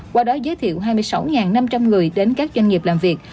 qua đó giới thiệu hai mươi sáu năm trăm linh người đến các doanh nghiệp làm việc